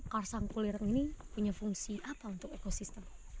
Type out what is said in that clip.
kars sangku lirang ini punya fungsi apa untuk ekosistem